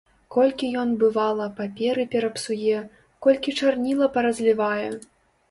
Колькі ён, бывала, паперы перапсуе, колькі чарніла паразлівае!